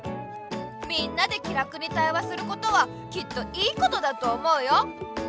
みんなで気楽に対話することはきっと「良いこと」だと思うよ。